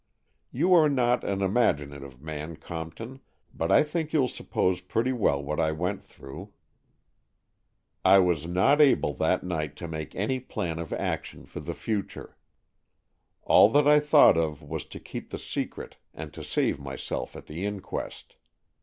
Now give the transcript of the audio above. You are not an imaginative man, Compton, but I think you'll suppose pretty well what I went through. I was not able that night to make any plan of action for the future. All that I thought of was to keep the secret and to save myself at the inquest.